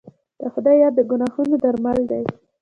د خدای یاد د ګناه درمل دی.